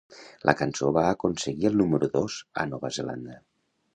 La cançó va aconseguir el número dos a Nova Zelanda.